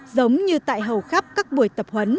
giống như tại hầu khắp các buổi tập huấn